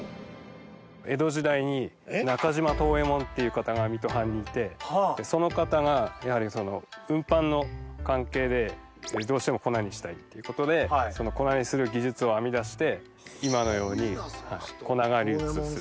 江戸時代に中島藤右衛門っていう方が水戸藩にいてその方がやはり運搬の関係でどうしても粉にしたいっていうことで粉にする技術を編み出して今のように粉が流通する。